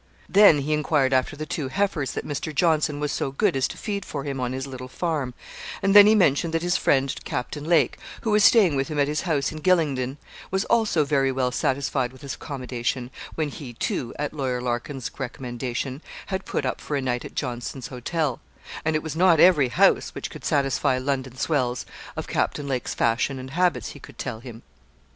Then he enquired after the two heifers that Mr. Johnson was so good as to feed for him on his little farm; and then he mentioned that his friend, Captain Lake, who was staying with him at his house at Gylingden, was also very well satisfied with his accommodation, when he, too, at Lawyer Larkin's recommendation, had put up for a night at Johnson's Hotel; and it was not every house which could satisfy London swells of Captain Lake's fashion and habits, he could tell him.